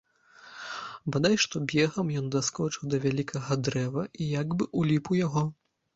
Бадай што бегам ён даскочыў да вялікага дрэва і як бы ўліп у яго.